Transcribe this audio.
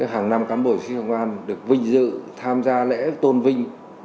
hàng năm cán bộ sĩ công an được vinh dự tham gia lễ tôn vinh